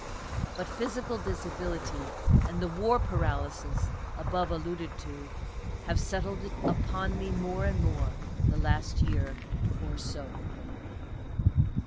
But physical disability and the war paralysis above alluded to have settled upon me more and more, the last year or so.)